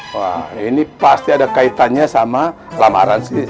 wah ini pasti ada kaitannya sama lamaran sini